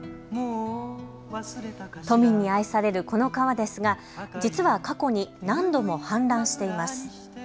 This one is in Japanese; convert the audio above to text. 都民に愛されるこの川ですが実は過去に何度も氾濫しています。